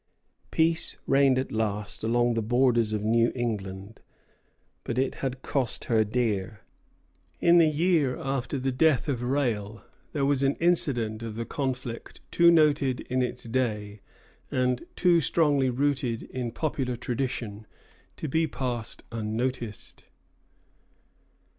Peace reigned at last along the borders of New England; but it had cost her dear. In the year after the death of Rale, there was an incident of the conflict too noted in its day, and too strongly rooted in popular tradition, to be passed unnoticed.